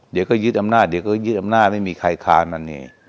เดี๋ยวก็ยึดอำนาจไม่มีใครค้านั่นเนี่ย